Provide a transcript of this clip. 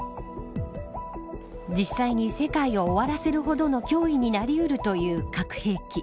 実際に、世界を終わらせるほどの脅威になりうるという核兵器